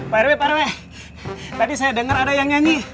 pak rw pak rw tadi saya dengar ada yang nyanyi